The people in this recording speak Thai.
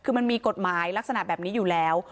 คือมันมีกฎหมายลักษณะแบบนี้อยู่แล้ว